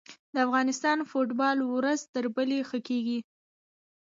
د افغانستان فوټبال ورځ تر بلې ښه کیږي.